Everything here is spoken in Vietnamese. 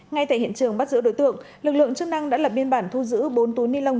ngay tại hiện trường bắt giữ đối tượng lực lượng chức năng đã lập biên bản thu giữ bốn túi ni lông